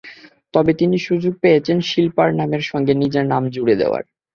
তবে তিনি সুযোগ পেয়েছেন শিল্পার নামের সঙ্গে নিজের নাম জুড়ে দেওয়ার।